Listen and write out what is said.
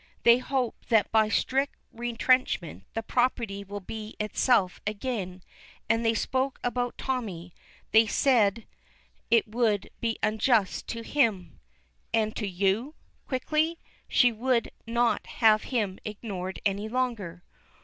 They hope that by strict retrenchment, the property will be itself again; and they spoke about Tommy. They said it would be unjust to him " "And to you," quickly. She would not have him ignored any longer.